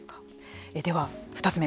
では、２つ目。